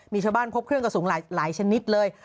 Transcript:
มีชาวบ้านพบเครื่องกระสุนหลายชนิดเลย